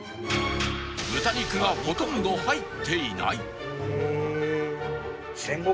豚肉がほとんど入っていない